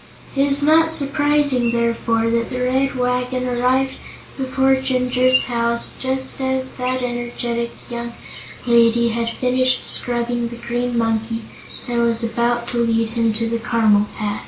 It is not surprising, therefore, that the Red Wagon arrived before Jinjur's house just as that energetic young lady had finished scrubbing the Green Monkey and was about to lead him to the caramel patch.